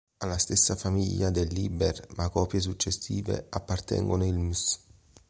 Alla stessa famiglia del Liber, ma copie successive, appartengono il ms.